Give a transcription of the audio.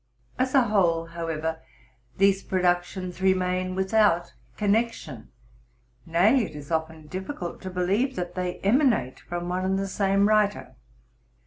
As a whole, however, these productions remain without connection ; nay, it is often difficult to believe that they emanate from one and the same writer.